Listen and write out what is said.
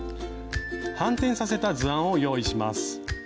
反転させた図案を用意します。